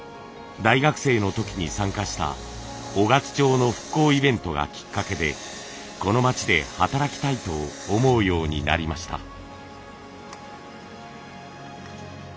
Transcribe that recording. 大学生の時に参加した雄勝町の復興イベントがきっかけでこの町で働きたいと思うようになりました。